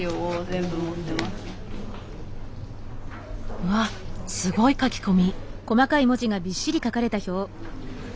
うわっすごい書き込み。